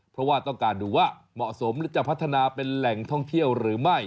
เพราะว่าต้องการดูว่าเหมาะสมหรือจะพัฒนาเป็นแหล่งท่องเที่ยวหรือไม่